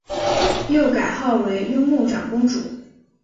又改号为雍穆长公主。